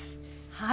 はい！